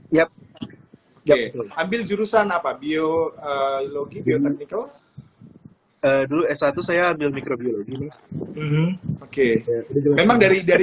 siap ya ambil jurusan apa biologi biotechnical dulu s satu saya ambil mikrobiologi oke memang dari dari